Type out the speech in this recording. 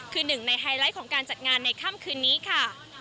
คือหนึ่งในไฮไลท์ของการจัดงานในค่ำคืนนี้ค่ะ